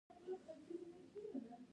فرهنګي پېښې لوی زیری پیدا کوي.